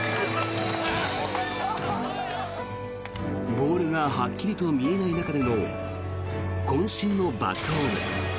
ボールがはっきりと見えない中でのこん身のバックホーム。